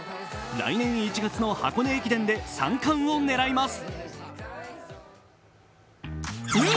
来年１月の箱根駅伝で３冠を狙います。